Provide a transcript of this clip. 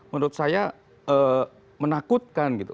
menurut saya menakutkan